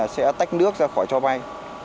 sẽ tách nước ra khỏi cho bay